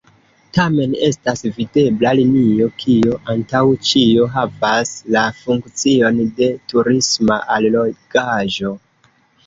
Tamen estas videbla linio, kio antaŭ ĉio havas la funkcion de turisma allogaĵo.